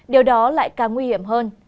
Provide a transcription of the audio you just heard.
điều đó lại càng nguy hiểm hơn